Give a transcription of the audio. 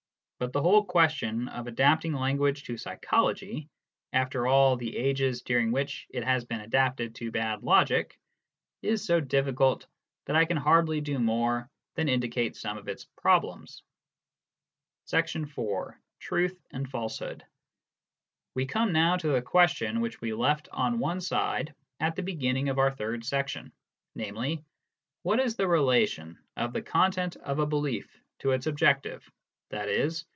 But the whole question of adapting language to psychology, after all the ages during which it has been adapted to bad logic, is so difficult that I can hardly do more than indicate some of its problems. IV. Truth and Falsehood. We come now to the question which we left on one side at the beginning of our third section, namely : What is the relation of the content of a belief to its " objective." i.e.